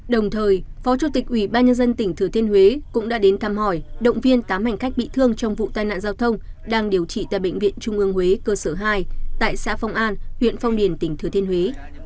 đồng thời phó chủ tịch ủy ban nhân dân tỉnh thừa thiên huế cũng đã đến thăm hỏi động viên tám hành khách bị thương trong vụ tai nạn giao thông đang điều trị tại bệnh viện trung ương huế cơ sở hai tại xã phong an huyện phong điền tỉnh thừa thiên huế